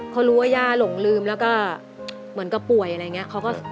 เขารู้ว่าย่าหลงลืมแล้วก็เหมือนกับป่วยอะไรอย่างนี้